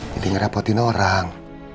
jadi ngerepotin orang